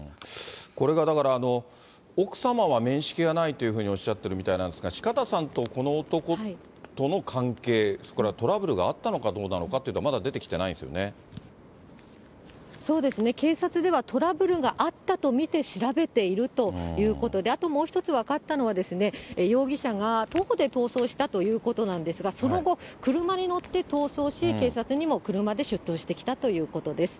これがだから、奥様は面識がないというふうにおっしゃってるみたいなんですが、四方さんとこの男との関係、それからトラブルがあったのかどうなのかというのは、まだ出てきそうですね、警察では、トラブルがあったと見て調べているということで、あともう一つ、分かったのは、容疑者が徒歩で逃走したということなんですが、その後、車に乗って逃走し、警察にも車で出頭してきたということです。